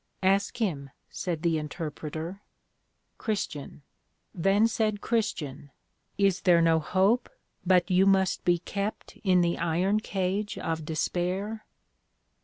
Ask him, said the Interpreter. CHR. Then said Christian, Is there no hope, but you must be kept in the Iron Cage of Despair?